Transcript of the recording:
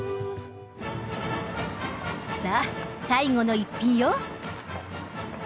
さあ最後のイッピンよ！